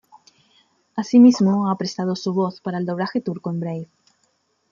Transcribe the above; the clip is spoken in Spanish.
Asimismo, ha prestado su voz para el doblaje turco en "Brave".